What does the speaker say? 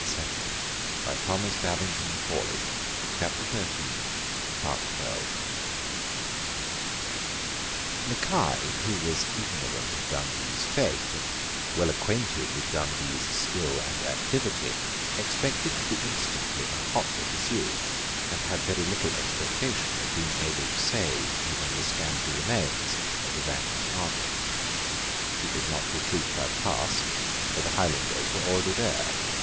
The body, wrapped in two plaids, was carried to the Castle of Blair, Mackay, who was ignorant of Dundee's fate, and well acquainted with Dundee's skill and activity, expected to be instantly and hotly pursued, and had very little expectation of being able to save even the scanty remains of the vanquished army. He could not retreat by the pass: for the Highlanders were already there.